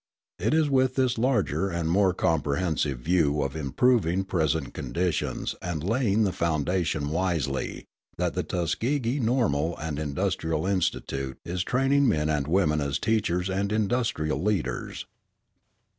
It is with this larger and more comprehensive view of improving present conditions and laying the foundation wisely that the Tuskegee Normal and Industrial Institute is training men and women as teachers and industrial leaders.